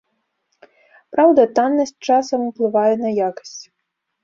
Праўда, таннасць часам уплывае на якасць.